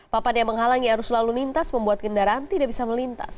papan yang menghalangi arus lalu lintas membuat kendaraan tidak bisa melintas